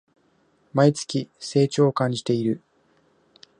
毎月、成長を感じてる